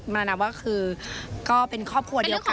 มานับว่าคือก็เป็นครอบครัวเดียวกัน